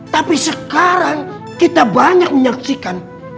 tapi sekarang kita banyak menyaksikan